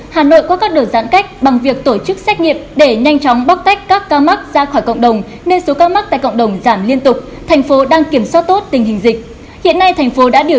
hãy đăng ký kênh để ủng hộ kênh của chúng mình nhé